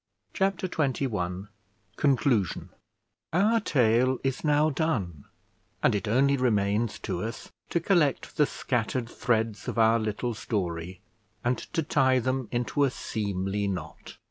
Chapter XXI CONCLUSION Our tale is now done, and it only remains to us to collect the scattered threads of our little story, and to tie them into a seemly knot.